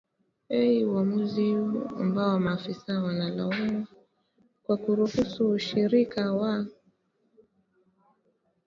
uamuzi ambao maafisa wanalaumu kwa kuruhusu ushirika wa